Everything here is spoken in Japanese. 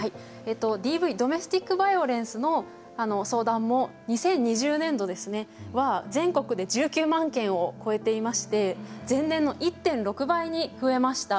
ＤＶドメスティック・バイオレンスの相談も２０２０年度は全国で１９万件を超えていまして前年の１．６倍に増えました。